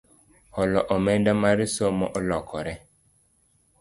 Holo omenda mar somo olokore